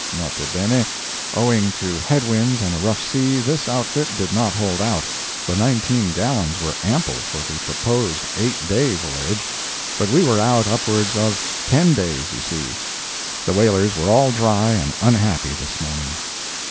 (N. B.—Owing to head winds and a rough sea, this outfit did not hold out; the nineteen gallons were ample for the proposed eight day voyage, but we were out upwards of ten days, you see. The whalers were all dry and unhappy this morning.)